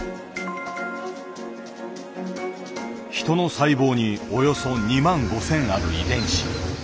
人の細胞におよそ２万５，０００ある遺伝子。